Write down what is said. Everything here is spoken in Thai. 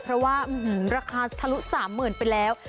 เพราะว่าราคาทะลุ๓๐๐๐ไปแล้ว